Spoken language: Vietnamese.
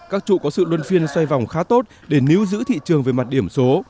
các trụ có sự luân phiên xoay vòng khá tốt để níu giữ thị trường về mặt điểm số